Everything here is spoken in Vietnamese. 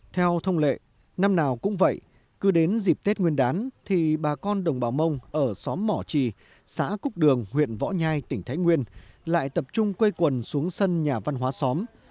theo thông lệ năm nào cũng vậy cứ đến dịp tết nguyên đán thì bà con đồng bào mông ở xóm mỏ trì xã cúc đường huyện võ nhai tỉnh thái nguyên lại tập trung quây quần xuống sân nhà văn hóa xóm